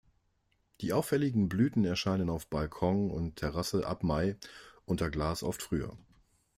Die auffälligen Blüten erscheinen auf Balkon und Terrasse ab Mai, unter Glas oft früher.